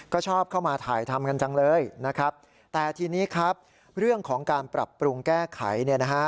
ก็ชอบเข้ามาถ่ายทำกันจังเลยนะครับแต่ทีนี้ครับเรื่องของการปรับปรุงแก้ไขเนี่ยนะฮะ